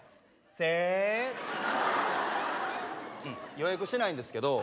予約してないんですけど。